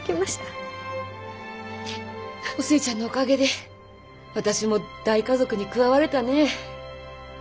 お寿恵ちゃんのおかげで私も大家族に加われたね。